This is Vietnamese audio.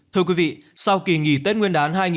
thưa quý vị sau kỳ nghỉ tết nguyên đán hai nghìn hai mươi bốn